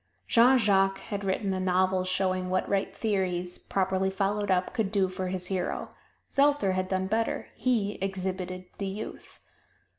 Jean Jacques had written a novel showing what right theories, properly followed up, could do for his hero. Zelter had done better he exhibited the youth.